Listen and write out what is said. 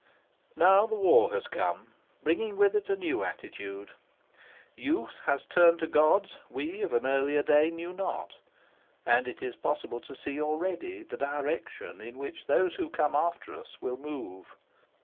Now the war has come, bringing with it a new attitude. Youth has turned to gods we of an earlier day knew not, and it is possible to see already the direction in which those who come after us will move.